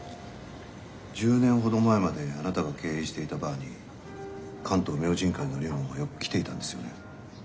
１０年ほど前まであなたが経営していたバーに「関東明神会」の龍門がよく来ていたんですよね？